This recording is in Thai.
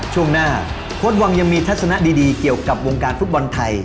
ช่วงหน้าโค้ดวังยังมีทัศนะดีเกี่ยวกับวงการฟุตบอลไทย